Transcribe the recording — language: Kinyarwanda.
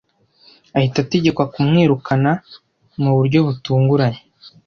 ahita ategekwa kumwirukana mu buryo butunguranye.